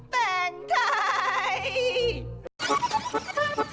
แต่งใคร